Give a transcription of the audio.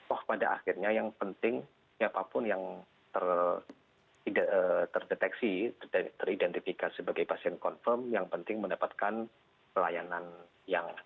oh pada akhirnya yang penting siapapun yang terdeteksi teridentifikasi sebagai pasien confirm yang penting mendapatkan pelayanan yang